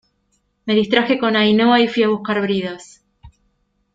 me distraje con Ainhoa y fui a buscar bridas